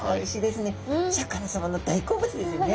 シャーク香音さまの大好物ですよね。